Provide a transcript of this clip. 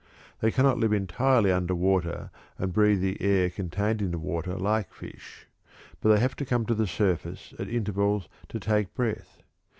They cannot live entirely under water and breathe the air contained in the water like fish, but they have to come to the surface at intervals to take breath.